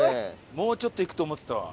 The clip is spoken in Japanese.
もうちょっと行くと思ってたわ。